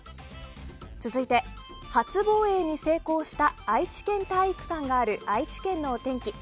続いて初防衛に成功した愛知県体育館がある愛知県のお天気。